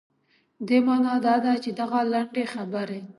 دې معنا دا ده چې دغه لنډې خبرې.